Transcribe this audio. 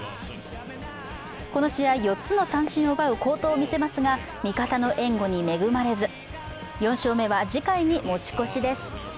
この試合、４つの三振を奪う好投を見せますが味方の援護に恵まれず４勝目は次回に持ち越しです。